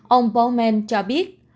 ông bowman cho biết